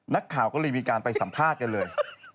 นักข่าวก็เลยมีการไปสัมภาษณ์กันเลย